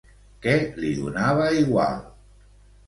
Què li donava igual?